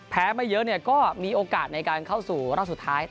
ไม่เยอะก็มีโอกาสในการเข้าสู่รอบสุดท้าย